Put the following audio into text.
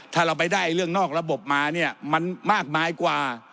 ถ้าเราไปได้เรื่องนอกระบบมาเนี่ยมันมากมายกว่า